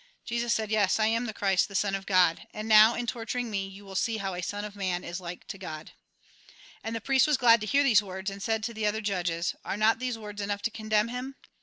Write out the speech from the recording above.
Jesus said :" Yes, I am the Christ, the Son of God ; and now, in torturing me, you will see how a Son of Man is like to God." And the priest was glad to hear these words, and said to the other judges :" Are not these words enough to condemn him